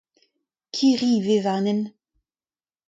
Kirri a vez war an hent.